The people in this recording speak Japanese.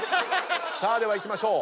ではいきましょう。